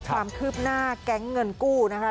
ความคืบหน้าแก๊งเงินกู้นะคะ